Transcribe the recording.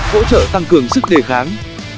hỗ trợ tăng cường sức đề kháng